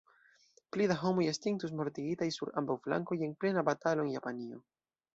Pli da homoj estintus mortigitaj sur ambaŭ flankoj en plena batalo en Japanio.